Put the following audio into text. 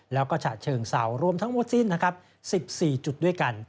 แล้วก็ฉะเชิงเซลล์รวมทั้งหมดสิ้น๑๔จุดด้วยกัน